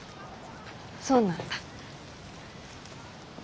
そうなんだ。